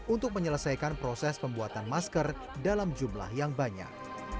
untuk menyelesaikan proses pembuatan masker dalam jumlah yang banyak